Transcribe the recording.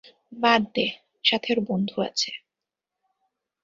বাদ দে, সাথে ওর বন্ধু আছে।